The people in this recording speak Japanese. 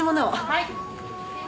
はい。